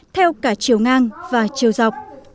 theo cả chiều ngang và chiều dọc